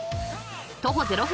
徒歩０分